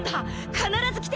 必ず来て！